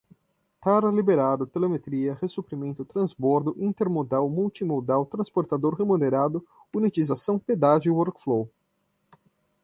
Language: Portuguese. tara liberado telemetria ressuprimento transbordo intermodal multimodal transportador remunerado unitização pedágio workflow